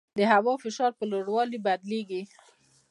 د هوا فشار په لوړوالي بدل کېږي.